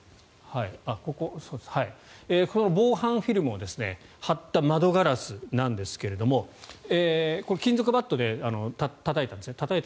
その防犯フィルムを貼った窓ガラスなんですが金属バットでたたいたんです。